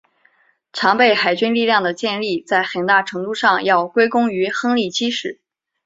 常备海军力量的建立在很大程度上要归功于亨利七世。